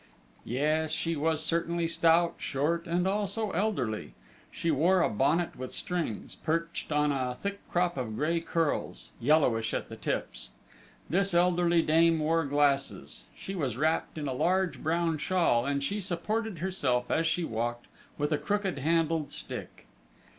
Yes, she was certainly stout, short, and also elderly. She wore a bonnet with strings, perched on a thick crop of grey curls, yellowish at the tips. This elderly dame wore glasses; she was wrapped in a large brown shawl, and she supported herself, as she walked, with a crook handled stick.